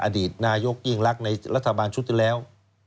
อดีตนายกาลกิยิงรักในอาธบาลสุษย์ที่แล้ว